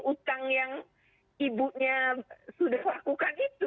utang yang ibunya sudah lakukan itu